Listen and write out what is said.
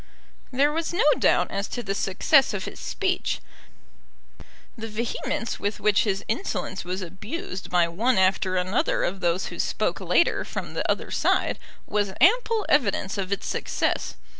There was no doubt as to the success of his speech. The vehemence with which his insolence was abused by one after another of those who spoke later from the other side was ample evidence of its success.